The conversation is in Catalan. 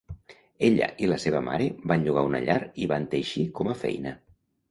Ella i la seva mare van llogar una llar i van teixir com a feina.